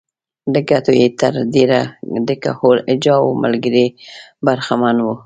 له ګټو یې تر ډېره د کهول اجاو ملګري برخمن وو.